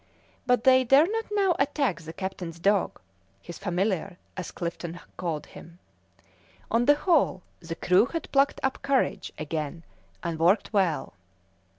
But they dare not now attack the captain's dog his "familiar," as Clifton called him. On the whole the crew had plucked up courage again and worked well.